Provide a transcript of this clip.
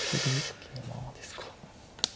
桂馬ですか。